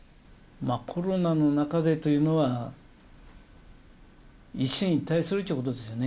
コロナの中でというのは、一進一退するってことですよね。